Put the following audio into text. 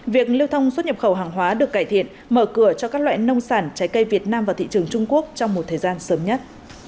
việc lưu thông xuất nhập khẩu hàng hóa được cải thiện mở cửa cho các loại nông sản trái cây việt nam vào thị trường trung quốc trong một thời gian sớm nhất